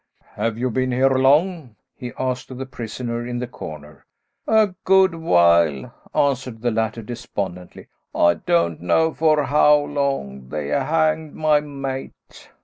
"Have you been here long?" he asked of the prisoner in the corner. "A good while," answered the latter despondently. "I don't know for how long. They hanged my mate."